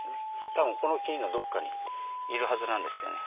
多分この木のどっかにいるはずなんですけどね。